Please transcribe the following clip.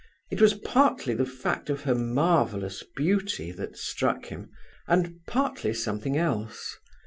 It was partly the fact of her marvellous beauty that struck him, and partly something else.